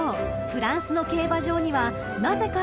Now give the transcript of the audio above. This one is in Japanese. フランスの競馬場にはなぜか］